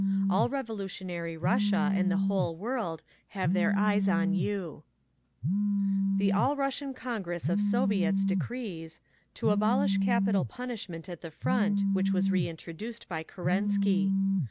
"All revolutionary Russia and the whole world have their eyes on you…." "The All Russian Congress of Soviets decrees: "To abolish capital punishment at the Front, which was reintroduced by Kerensky.